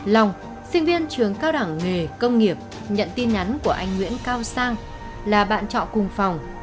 long sinh viên trường cao đẳng nghề công nghiệp nhận tin nhắn của anh nguyễn cao sang là bạn trọ cùng phòng